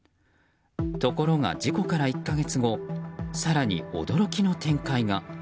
ところが事故から１か月後更に驚きの展開が。